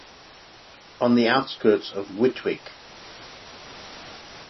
On the outskirts of Whitwick.